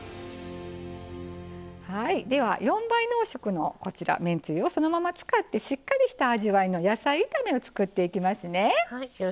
では、４倍濃縮のめんつゆをそのまま使ってしっかりした味わいの野菜炒めを作っていきますね。